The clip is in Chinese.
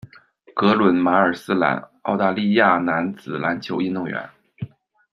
格伦·马尔斯兰，澳大利亚男子篮球运动员。